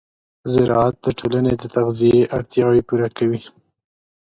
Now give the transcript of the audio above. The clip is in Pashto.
زراعت د ټولنې د تغذیې اړتیاوې پوره کوي.